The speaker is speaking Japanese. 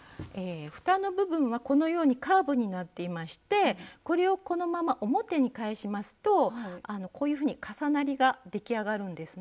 ふたの部分はこのようにカーブになっていましてこれをこのまま表に返しますとこういうふうに重なりが出来上がるんですね。